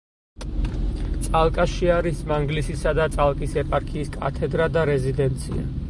წალკაში არის მანგლისისა და წალკის ეპარქიის კათედრა და რეზიდენცია.